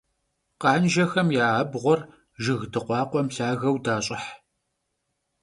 Khanjjexem ya abğuer jjıg dıkhuakhuem lhageu daş'ıh.